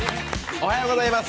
おはようございます。